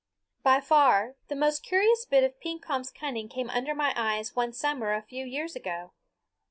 By far the most curious bit of Pekompf's cunning came under my eyes, one summer, a few years ago.